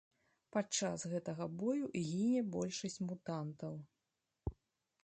Падчас гэтага бою гіне большасць мутантаў.